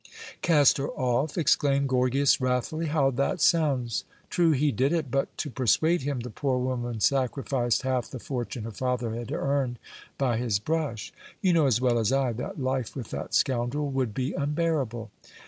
"Cast her off!" exclaimed Gorgias wrathfully. "How that sounds! True, he did it, but to persuade him the poor woman sacrificed half the fortune her father had earned by his brush. You know as well as I that life with that scoundrel would be unbearable."